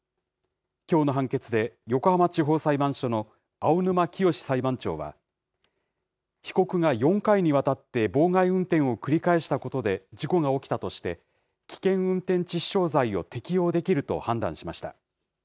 きょうの判決で、横浜地方裁判所の青沼潔裁判長は、被告が４回にわたって妨害運転を繰り返したことで、事故が起きたとして、危険運転致死傷罪を適用できると判断しました。